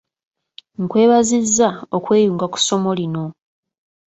Nkwebazizza okweyunga ku ssomo lino.